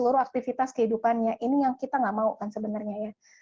jadi seluruh aktivitas kehidupannya ini yang kita nggak mau kan sebenarnya ya